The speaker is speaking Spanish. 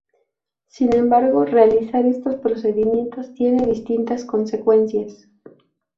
Sin embargo, realizar estos procedimientos tiene distintas consecuencias.